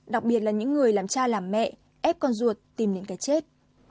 đặc biệt là những người làm cha làm mẹ ép con ruột tìm những cái chết